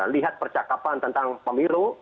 lihat percakapan tentang pemilu